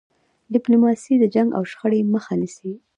ډيپلوماسي د جنګ او شخړې مخه نیسي.